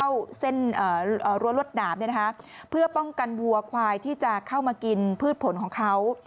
เอาเส้นรวดด่ามเพื่อป้องกันวัวควายที่จะเข้ามากินพืชผลของเขา